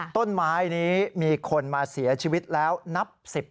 ต้นไม้นี้มีคนมาเสียชีวิตแล้วนับ๑๐